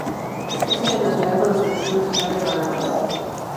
Es internacional con la selección nacional de Bahamas.